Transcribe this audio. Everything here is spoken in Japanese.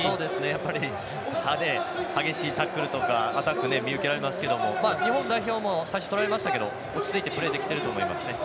やはり激しいタックルとかアタック、見受けられますけど日本代表も最初取られましたけど落ち着いてプレーできてると思います。